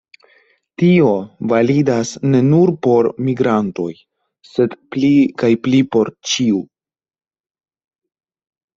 Tio validas ne nur por migrantoj, sed pli kaj pli por ĉiu.